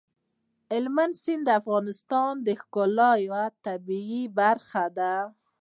هلمند سیند د افغانستان د ښکلي طبیعت یوه برخه ده.